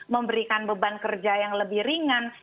memberikan beban kerja yang lebih ringan